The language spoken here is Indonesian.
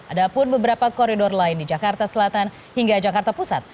ada pun beberapa koridor lain di jakarta selatan hingga jakarta pusat